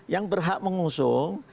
yang berhak mengusung